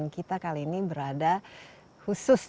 kita kali ini berada khusus